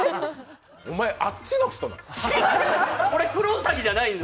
お前、あっちの人なん？